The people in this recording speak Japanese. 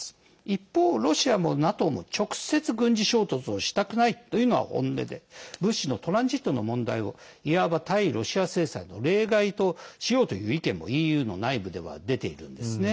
一方ロシアもＮＡＴＯも直接、軍事衝突をしたくないというのが本音で物資のトランジットの問題をいわば対ロシア制裁の例外としようという意見もＥＵの内部では出ているんですね。